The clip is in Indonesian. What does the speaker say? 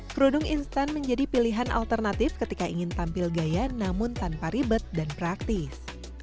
kerudung instan menjadi pilihan alternatif ketika ingin tampil gaya namun tanpa ribet dan praktis